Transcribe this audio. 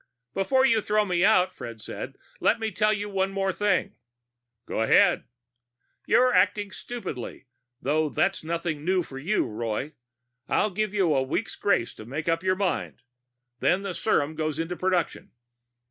"Before you throw me out," Fred said, "let me tell you one more thing." "Go ahead." "You're acting stupidly though that's nothing new for you, Roy. I'll give you a week's grace to make up your mind. Then the serum goes into production."